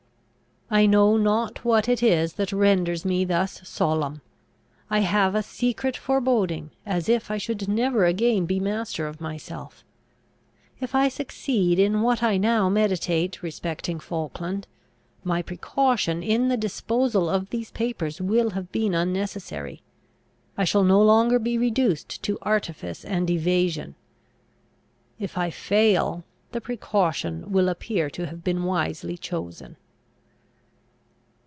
I know not what it is that renders me thus solemn. I have a secret foreboding, as if I should never again be master of myself. If I succeed in what I now meditate respecting Falkland, my precaution in the disposal of these papers will have been unnecessary; I shall no longer be reduced to artifice and evasion. If I fail, the precaution will appear to have been wisely chosen.